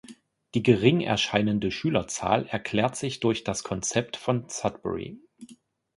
Die gering erscheinende Schülerzahl erklärt sich durch das Konzept von Sudbury.